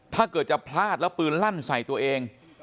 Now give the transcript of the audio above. ถ้าเกิดจะพลาดแล้วปืนลั่นใส่ตัวเอง